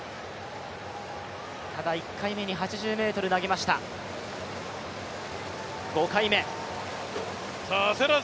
ただ１回目に８０ｍ投げました、５回目。